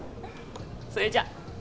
それじゃ。